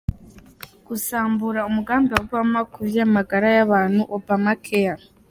Gusambura umugambi wa Obama ku vy'amagara y'abantu "Obamacare".